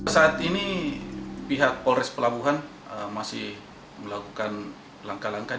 saat ini pihak polres pelabuhan masih melakukan langkah langkah